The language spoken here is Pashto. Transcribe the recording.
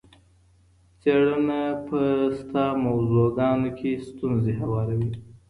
څېړنه په شته موضوعګانو کي ستونزي هواروي.